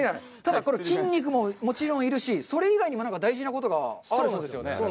ただ、これ筋肉ももちろんいるし、それ以外にも大事なことがあるそうですよね。